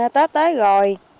tết tới rồi